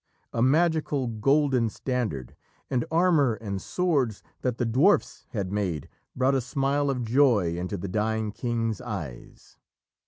A magical golden standard and armour and swords that the dwarfs had made brought a smile of joy into the dying King's eyes.